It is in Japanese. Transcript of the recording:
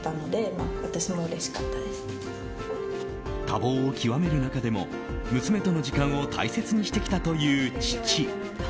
多忙を極める中でも娘との時間を大切にしてきたという父。